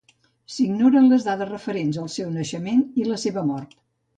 S'ignoren les dades referents al seu naixement i la seva mort.